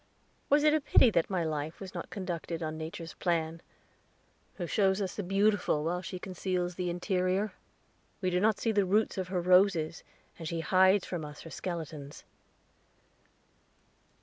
Was it a pity that my life was not conducted on Nature's plan, who shows us the beautiful, while she conceals the interior? We do not see the roots of her roses, and she hides from us her skeletons.